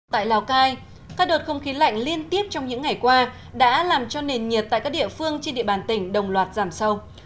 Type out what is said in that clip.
tại lào cai các đợt không khí lạnh liên tiếp trong những ngày qua đã làm cho nền nhiệt tại các địa phương trên địa bàn tỉnh đồng loạt giảm sâu